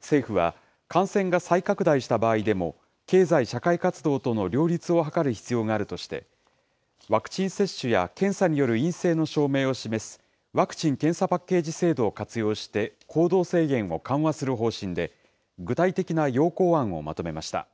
政府は、感染が再拡大した場合でも、経済社会活動との両立を図る必要があるとして、ワクチン接種や検査による陰性の証明を示すワクチン・検査パッケージ制度を活用して、行動制限を緩和する方針で、具体的な要綱案をまとめました。